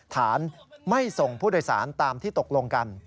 ฐานไม่ส่งผู้โดยสารตามที่ตกลงกัน